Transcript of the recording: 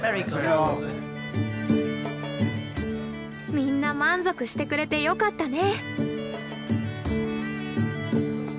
みんな満足してくれてよかったね。